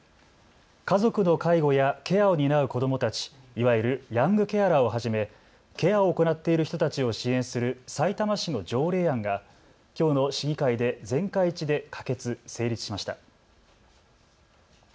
家族の介護やケアを担う子どもたち、いわゆるヤングケアラーをはじめケアを行っている人たちを支援するさいたま市の条例案がきょうの市議会で全会一致で可決・成立しました。